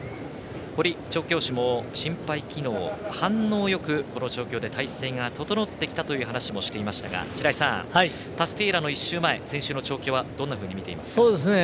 堀調教師も心肺機能、反応よくこの調教で態勢が整ってきたという話をしていましたが白井さん、タスティエーラの１週前、先週の調教はどんなふうに見ていますか？